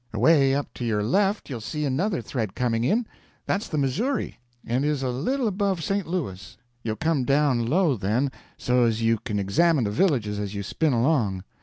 Away up to your left you'll see another thread coming in—that's the Missouri and is a little above St. Louis. You'll come down low then, so as you can examine the villages as you spin along.